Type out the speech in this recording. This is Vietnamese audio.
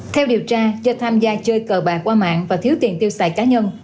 theo điều tra do tham gia chơi cờ bạc qua mạng và thiếu tiền tiêu xài cá nhân